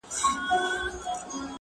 مور بې حاله ده او خبري نه سي کولای,